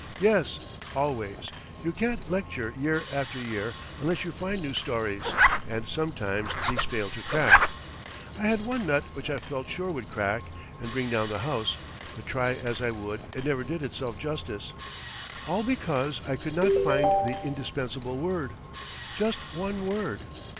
"Yes, always. You can't lecture year after year unless you find new stories, and sometimes these fail to crack. I had one nut which I felt sure would crack and bring down the house, but try as I would it never did itself justice, all because I could not find the indispensable word, just one word.